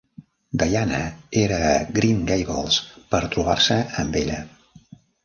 Diana era a Green Gables per trobar-se amb ella.